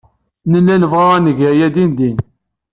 Nella nebɣa ad neg aya dindin.